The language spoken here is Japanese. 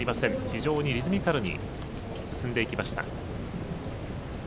非常にリズミカルに進んできました。